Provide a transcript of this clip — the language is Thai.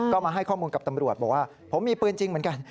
ก็มาให้ข้อมูลกับตำรวจบอกว่าผมมีปืนจริงเหมือนกัน